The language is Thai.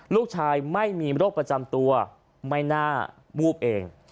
ลูกชายไม่มีโรคประจำตัวไม่น่าวูบเอง